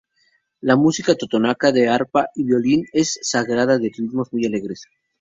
La música totonaca de arpa y violín es sagrada, de ritmos muy alegres.